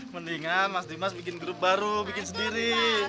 mendingan mas dimas bikin grup baru bikin sendiri